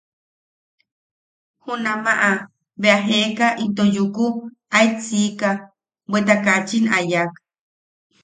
Junamaʼa bea jeeka into yuku aet siika, bweta kaachin a yak.